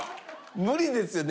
無理ですよね？